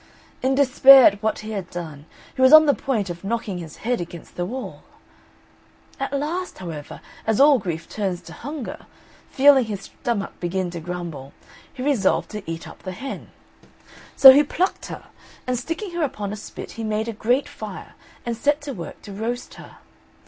In despair at what he had done, he was on the point of knocking his head against the wall; at last, however, as all grief turns to hunger, feeling his stomach begin to grumble, he resolved to eat up the hen. So he plucked her, and sticking her upon a spit, he made a great fire, and set to work to roast her.